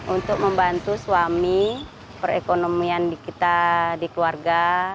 untuk membantu suami perekonomian kita di keluarga